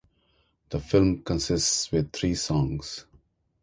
The film consists with three songs.